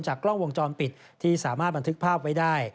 กล้องวงจรปิดที่สามารถบันทึกภาพไว้ได้